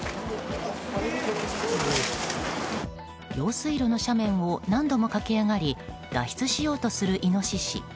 用水路の斜面を何度も駆け上がり脱出しようとするイノシシ。